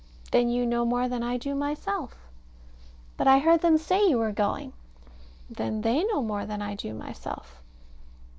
Then you know more than I do myself. But I heard them say you were going. Then they know more than I do myself.